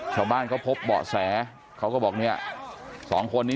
ชาวบ้านเขาพบเบาะแสเขาก็บอกเนี่ย๒คนนี้นี่แหละสงสัย